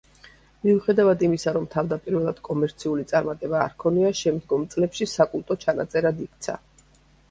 მიუხედავად იმისა, რომ თავდაპირველად კომერციული წარმატება არ ჰქონია, შემდგომ წლებში საკულტო ჩანაწერად იქცა.